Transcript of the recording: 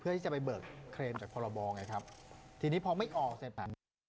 เพื่อที่จะไปเบิกเครนจากพรบองไงครับทีนี้พอไม่ออกเสร็จปาก